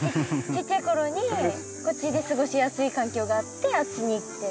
ちっちゃい頃にこっちで過ごしやすい環境があってあっちに行って。